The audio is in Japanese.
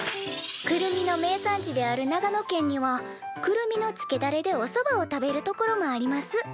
「くるみの名産地である長野県にはくるみのつけだれでおそばを食べる所もあります」